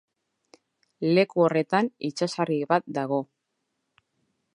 Leku horretan itsasargi bat dago.